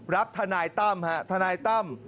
รับท่านายต่ำ